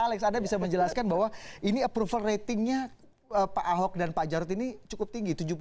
alex anda bisa menjelaskan bahwa ini approval ratingnya pak ahok dan pak jarod ini cukup tinggi